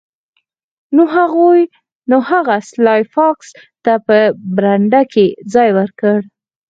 نو هغه سلای فاکس ته په برنډه کې ځای ورکړ